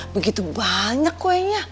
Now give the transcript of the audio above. begitu banyak kuenya